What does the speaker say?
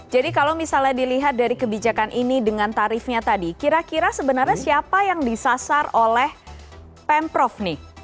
jadi kalau misalnya dilihat dari kebijakan ini dengan tarifnya tadi kira kira sebenarnya siapa yang disasar oleh pemprov nih